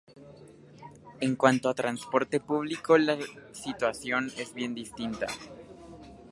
En cuanto a transporte público la situación es bien distinta.